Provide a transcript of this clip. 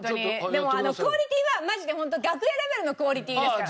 でもクオリティーはマジでホント楽屋レベルのクオリティーですから。